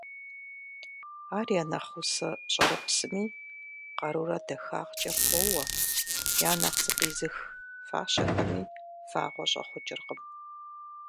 Ар я нэхъ усэ «щӀэрыпсми» къарурэ дахагъкӀэ поуэ, я нэхъ «зыкъизых» фащэхэми фагъуэ щӀэхъукӀыркъым.